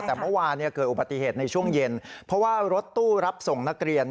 แต่เมื่อวานเกิดอุบัติเหตุในช่วงเย็นเพราะว่ารถตู้รับส่งนักเรียน